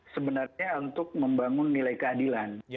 sebenarnya untuk membangun nilai keadilan